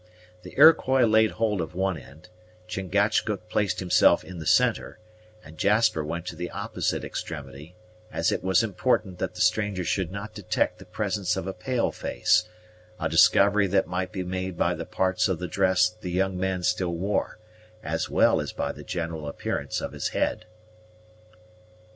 The Iroquois laid hold of one end, Chingachgook placed himself in the centre, and Jasper went to the opposite extremity, as it was important that the stranger should not detect the presence of a pale face, a discovery that might be made by the parts of the dress the young man still wore, as well as by the general appearance of his head.